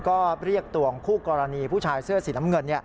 ก็เรียกตัวคู่กรณีผู้ชายเสื้อสีน้ำเงิน